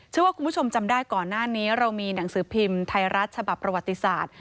เชื่อว่าคุณผู้ชมจำได้ก่อนหน้านี้เรามีหนังสือพิมพ์ไทยรัฐฉบับประวัติศาสตร์